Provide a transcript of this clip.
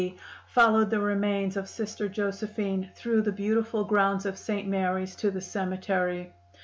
followed the remains of Sister Josephine through the beautiful grounds of St. Mary's to the cemetery.